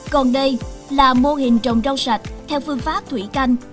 còn đây là mô hình trồng rau sạch theo phương pháp thủy canh